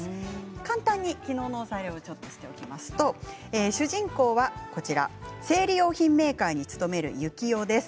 簡単に昨日のおさらいをちょっとしておきますと主人公は生理用品メーカーに勤める幸男です。